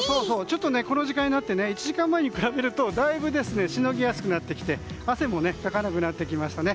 この時間になって１時間前に比べるとだいぶ過ごしやすくなって汗もかかなくなってきましたね。